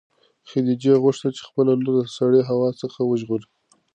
خدیجې غوښتل چې خپله لور له سړې هوا څخه وژغوري.